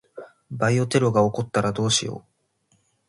バイオテロが起こったらどうしよう。